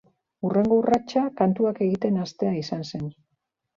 Hurrengo urratsa kantuak egiten hastea izan zen.